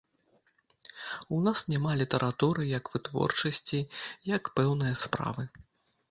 У нас няма літаратуры як вытворчасці, як пэўнае справы.